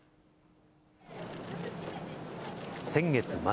先月末。